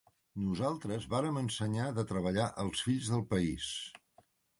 Nosaltres vàrem ensenyar de treballar als fills del país…